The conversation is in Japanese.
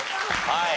はい。